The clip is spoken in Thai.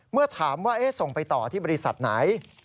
เมื่อถามว่าส่งไปต่อที่บริษัทไหน